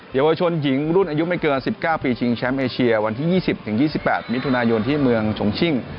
เยาวชนหญิงรุ่นอายุไม่เกิน๑๙ปีชิงแชมป์เอเชียวันที่๒๐๒๘มิถุนายนที่เมืองชงชิ่ง